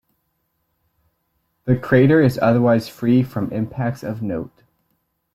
The crater is otherwise free from impacts of note.